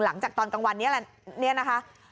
หลังจากตอนกลางวันนี้แหละ